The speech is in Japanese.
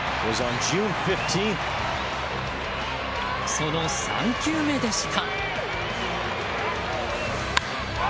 その３球目でした。